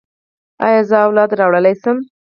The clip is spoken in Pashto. ایا زه اولاد راوړلی شم؟